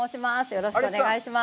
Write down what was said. よろしくお願いします。